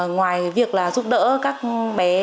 ngoài việc là giúp đỡ các bé